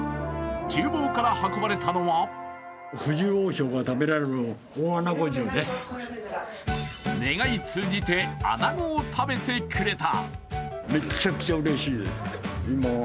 ちゅう房から運ばれたのは願い通じて、あなごを食べてくれた。